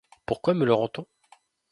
Pourquoi me le rend-on ?